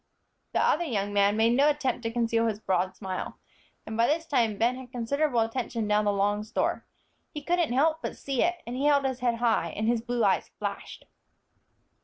The other young man made no attempt to conceal his broad smile. And by this time Ben had considerable attention down the long store. He couldn't help but see it, and he held his head high, and his blue eyes flashed.